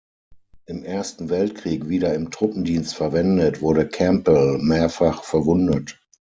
Im Ersten Weltkrieg wieder im Truppendienst verwendet, wurde Campbell mehrfach verwundet.